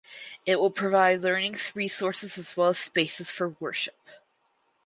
It will provide learning resources as well as spaces for worship.